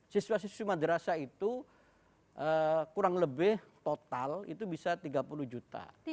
siswa siswa madrasah itu kurang lebih total itu bisa tiga puluh juta